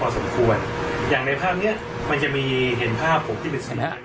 สมควรอย่างในภาพเนี้ยมันจะมีเห็นภาพผมที่เป็นชนะ